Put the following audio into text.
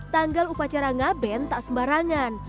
tanggal upacara ngaben tak sembarangan